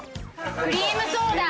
クリームソーダ。